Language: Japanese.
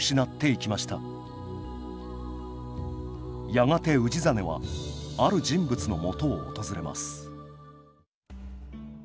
やがて氏真はある人物のもとを訪れます